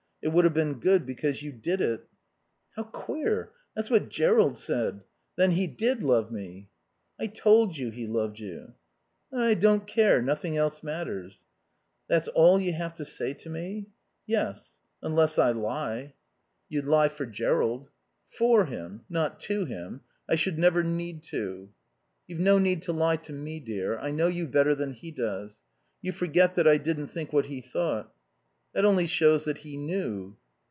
It would have been good because you did it." "How queer. That's what Jerrold said. Then he did love me." "I told you he loved you." "Then I don't care. Nothing else matters." "That's all you have to say to me?" "Yes. Unless I lie." "You'd lie for Jerrold." "For him. Not to him. I should never need to." "You've no need to lie to me, dear. I know you better than he does. You forget that I didn't think what he thought." "That only shows that he knew."